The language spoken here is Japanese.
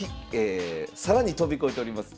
更に飛び越えております。